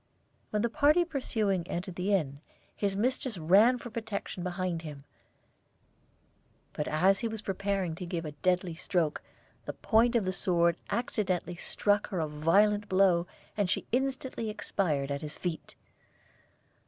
When the party pursuing entered the inn, his mistress ran for protection behind him; but as he was preparing to give a deadly stroke, the point of the sword accidently struck her a violent blow, and she instantly expired at his feet.